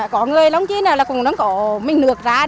có người lông chí nào là cùng lông cỏ mình lược ra